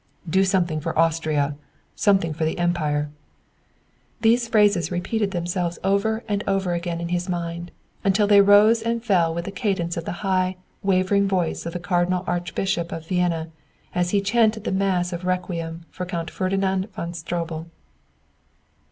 "Do something for Austria something for the Empire." These phrases repeated themselves over and over again in his mind until they rose and fell with the cadence of the high, wavering voice of the Cardinal Archbishop of Vienna as he chanted the mass of requiem for Count Ferdinand von Stroebel.